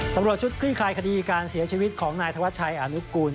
ตำรวจชุดคลี่คลายคดีการเสียชีวิตของนายธวัชชัยอนุกูล